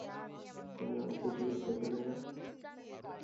তুমি আমার চিঠির উত্তর দিলে না?